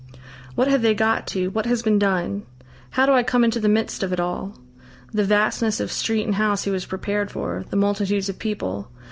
"What have they got to, what has been done? How do I come into the midst of it all?" The vastness of street and house he was prepared for, the multitudes of people.